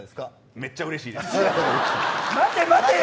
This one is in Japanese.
めっちゃうれしいです。